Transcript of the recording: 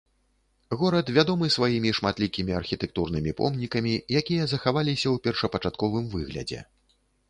Горад вядомы сваімі шматлікімі архітэктурнымі помнікамі, якія захаваліся ў першапачатковым выглядзе.